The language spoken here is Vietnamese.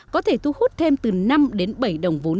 có thể thu hút thêm từ năm đến bảy đồng vốn